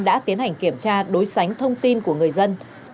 đã tiến hành kiểm tra đối sánh thông tin của người dân